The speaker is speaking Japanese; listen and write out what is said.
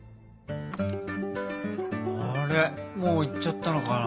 もう行っちゃったのかな？